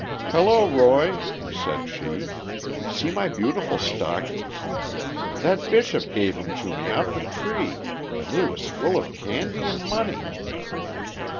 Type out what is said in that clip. "Hello, Roy!" said she, "see my beautiful stockings! That Bishop gave 'em to me off the tree, and they was full of candy and money!"